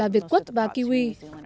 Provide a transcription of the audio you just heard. việt quốc và kiwi